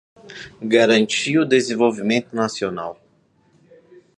garantir o desenvolvimento nacional;